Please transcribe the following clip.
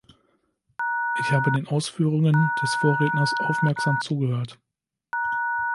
Ich habe den Ausführungen des Vorredners aufmerksam zugehört.